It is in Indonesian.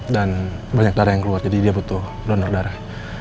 dan banyak darah yang keluar jadi dia butuh donor darah